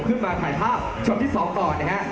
ขึ้นมาถ่ายภาพชุดที่๒ก่อนนะฮะ